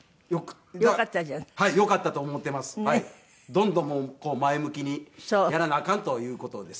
どんどん前向きにやらなあかんという事です。